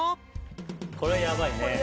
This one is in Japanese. これはやばいね。